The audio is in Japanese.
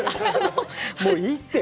もういいって。